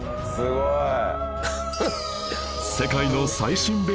すごいね。